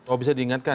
oh bisa diingatkan ya